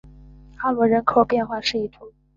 阿罗人口变化图示